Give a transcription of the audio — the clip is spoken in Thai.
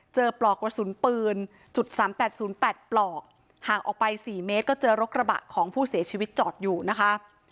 เจอปลอกกระสุนปืนจุดสามแปดศูนย์แปดปลอกห่างออกไปสี่เมตรก็เจอรถกระบะของผู้เสียชีวิตจอดอยู่นะคะ